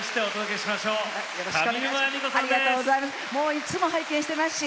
いつも拝見しています。